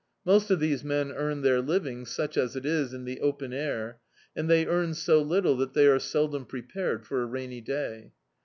Most of these men earn their living, such as it is, in the open air, and they earn so little that they are seldom prepared for a rainy day.